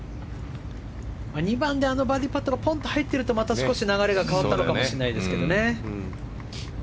２番であのバーディーパットがポンと入っていると少し、流れが変わったのかもしれないですけどね。